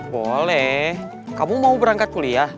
boleh kamu mau berangkat kuliah